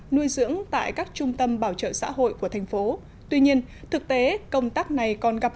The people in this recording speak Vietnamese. nuôi dưỡng tại các trung tâm bảo trợ xã hội của thành phố tuy nhiên thực tế công tác này còn gặp